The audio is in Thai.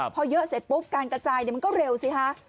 พอเยอะเสร็จปุ๊บการกระจายมันก็เร็วสิคะ